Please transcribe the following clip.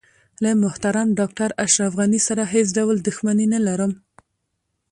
له محترم ډاکټر اشرف غني سره هیڅ ډول دښمني نه لرم.